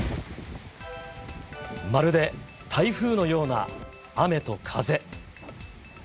まるで台風のような雨と風。